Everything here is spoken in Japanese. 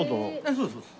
そうですそうです。